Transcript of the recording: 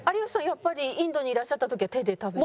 やっぱりインドにいらっしゃった時は手で食べて？